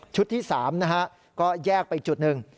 ชุดที่๓ก็แยกไปจุดหนึ่ง